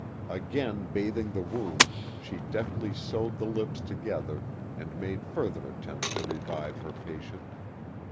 Again bath ing the wound, she deftly sewed the lips together and made further attempts to revive her patient.